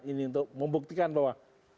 ini untuk membuktikan bahwa